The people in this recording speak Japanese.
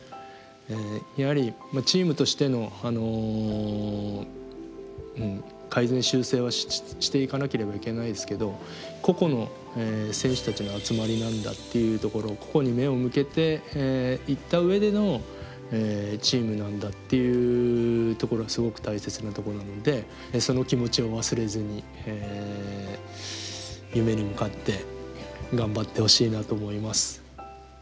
やはりチームとしての改善修正はしていかなければいけないですけど個々の選手たちの集まりなんだっていうところ個々に目を向けていった上でのチームなんだっていうところはすごく大切なところなのでその気持ちを忘れずに夢に向かって頑張ってほしいなと思います。